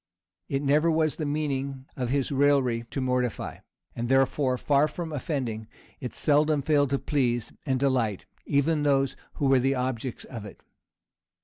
It never was the meaning of his raillery to mortify; and therefore, far from offending, it seldom failed to please and delight, even those who were the objects of it.